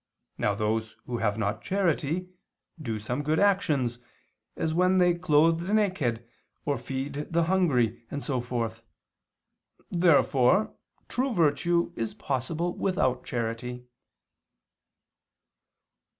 Now those who have not charity, do some good actions, as when they clothe the naked, or feed the hungry and so forth. Therefore true virtue is possible without charity.